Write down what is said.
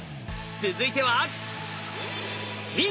続いては銀！